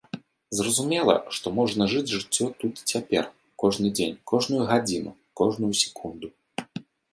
Зразумела, што можна жыць жыццё тут і цяпер, кожны дзень, кожную гадзіну, кожную секунду.